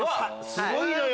すごいのよ